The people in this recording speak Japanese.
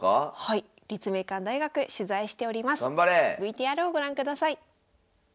ＶＴＲをご覧ください。